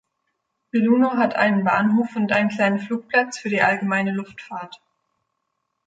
Belluno hat einen Bahnhof und einen kleinen Flugplatz für die allgemeine Luftfahrt.